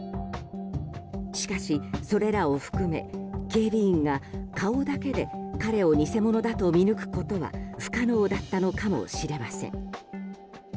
しかし、それらを含め警備員が顔だけで彼を偽物だと見抜くことは不可能だったのかもしれません。